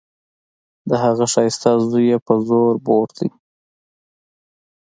د هغه ښايسته زوى يې په زوره بوت.